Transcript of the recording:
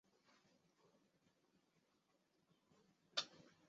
巴芬岛主要居民是因纽特人。